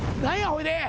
ほいで。